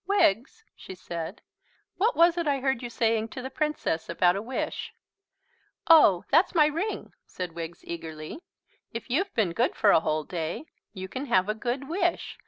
"Wiggs," she said, "what was it I heard you saying to the Princess about a wish?" "Oh, that's my ring," said Wiggs eagerly. "If you've been good for a whole day you can have a good wish.